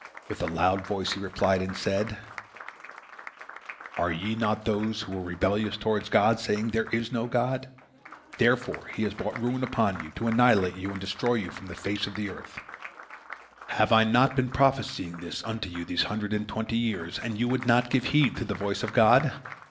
With a loud voice he replied, and said: "Are ye not those who were rebellious toward God, saying, 'There is no God'? Therefore He has brought ruin upon you, to annihilate you and destroy you from the face of the earth. Have I not been prophesying this unto you these hundred and twenty years, and you would not give heed unto the voice of God?